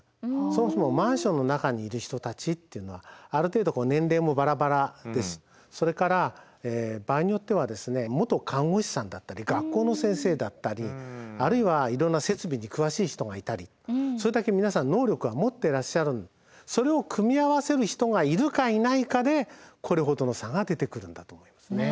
そもそもマンションの中にいる人たちっていうのはある程度年齢もバラバラですしそれから場合によっては元看護師さんだったり学校の先生だったりあるいはいろんな設備に詳しい人がいたりそれだけ皆さん能力は持ってらっしゃるのでそれを組み合わせる人がいるかいないかでこれほどの差が出てくるんだと思いますね。